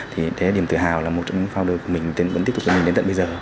thì thế điểm tự hào là một trong những founder của mình vẫn tiếp tục với mình đến tận bây giờ